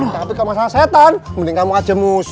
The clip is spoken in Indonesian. tapi kalo masalah setan mending kamu aja mus